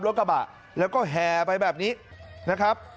รถกระบะแล้วก็แห่ไปแบบนี้นะครับ